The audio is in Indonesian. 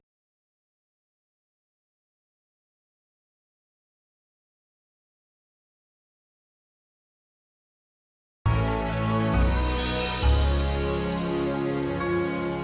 ini udah ngebut pak bos